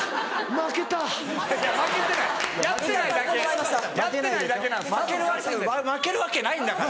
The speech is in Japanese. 負けるわけ負けるわけないんだから。